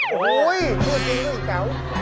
โอ้โหยพูดจริงแจ๋ว